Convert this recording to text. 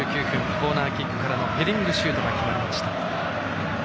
コーナーキックからのヘディングシュートが決まりました。